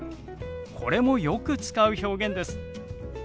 これもよく使う表現です。